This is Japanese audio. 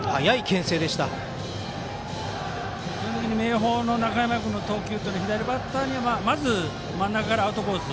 明豊の中山君の投球は左バッターにはまず真ん中からアウトコース。